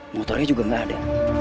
motornya juga gak ada